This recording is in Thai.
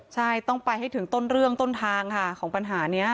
ใช่ต้องไปให้ถึงต้นเรื่องต้นทางค่ะของปัญหานี้